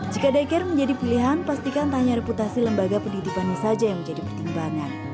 jika daycare menjadi pilihan pastikan tanya reputasi lembaga pendidikannya saja yang menjadi pertimbangan